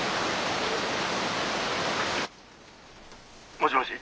☎もしもし。